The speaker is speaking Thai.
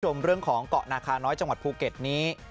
เรื่องของเกาะนาคาน้อยจังหวัดภูเก็ตนี้